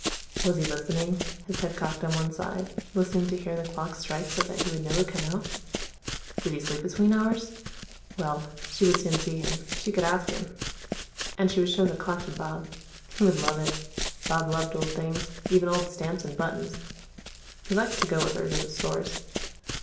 Was he listening, his head cocked on one side, listening to hear the clock strike so that he would know to come out? Did he sleep between hours? Well, she would soon see him: she could ask him. And she would show the clock to Bob. He would love it; Bob loved old things, even old stamps and buttons. He liked to go with her to the stores.